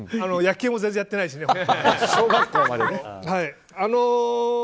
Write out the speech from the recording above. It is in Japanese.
野球も全然やっていないですしね。